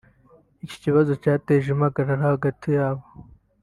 Iki kibazo cyateje impagarara hagati yabo